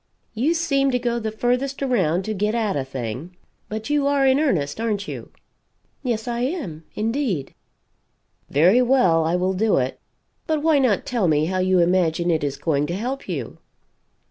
You seem to go the furthest around to get at a thing but you are in earnest, aren't you?" "Yes I am, indeed." "Very well, I will do it but why not tell me how you imagine it is going to help you?"